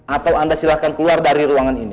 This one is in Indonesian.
atau anda silahkan keluar dari ruangan ini